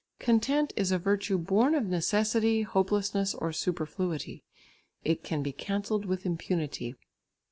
Content is a virtue born of necessity, hopelessness or superfluity; it can be cancelled with impunity.